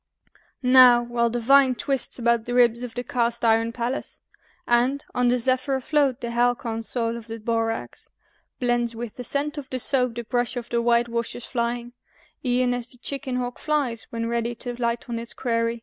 Now, while the vine twists about the ribs of the cast iron Pallas, And, on the zephyr afloat, the halcyon soul of the borax Blends with the scent of the soap, the brush of the white washer's flying E'en as the chicken hawk flies when ready to light on its quarry.